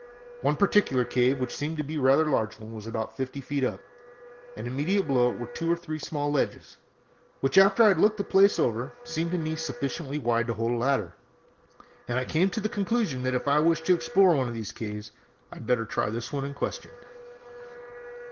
"One particular cave which seemed to be a rather large one was about fifty feet up, and immediately below it were two or three small ledges, which, after I had looked the place over, seemed to me to be sufficiently wide to hold a ladder; and I came to the conclusion that if I wished to explore one of these caves I had better try the one in question.